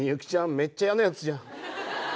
めっちゃ嫌なやつじゃん。